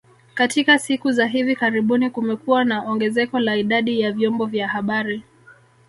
Katika siku za hivi karibuni kumekuwa na ongezeko la idadi ya vyombo vya habari